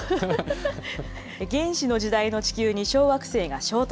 原始の時代の地球に小惑星が衝突。